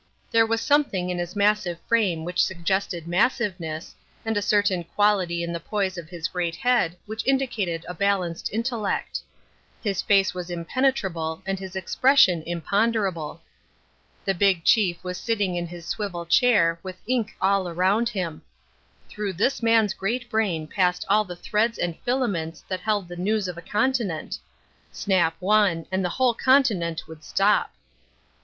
There was something in his massive frame which suggested massiveness, and a certain quality in the poise of his great head which indicated a balanced intellect. His face was impenetrable and his expression imponderable. The big chief was sitting in his swivel chair with ink all round him. Through this man's great brain passed all the threads and filaments that held the news of a continent. Snap one, and the whole continent would stop.